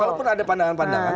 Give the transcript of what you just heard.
kalaupun ada pandangan pandangan